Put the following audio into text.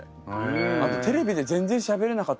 あとテレビで全然しゃべれなかったの。